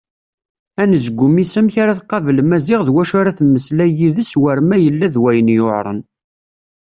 Anezgum-is amek ara tqabel Maziɣ d wacu ara temmeslay yid-s war ma yella-d wayen yuɛren.